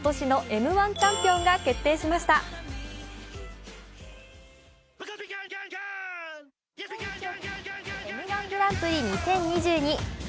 「Ｍ−１グランプリ２０２２」。